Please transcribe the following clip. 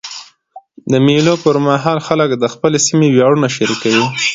د مېلو پر مهال خلک د خپل سیمي ویاړونه شریکوي.